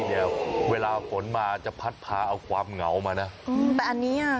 เดี๋ยวเวลาฝนมาจะพัดพาเอาความเหงามานะอืมแต่อันนี้อ่ะ